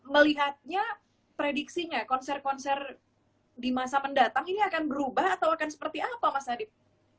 melihatnya prediksinya konser konser di masa mendatang ini akan berubah atau akan seperti apa mas hadib